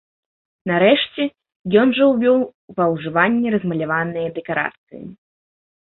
Нарэшце, ён жа ўвёў ва ўжыванне размаляваныя дэкарацыі.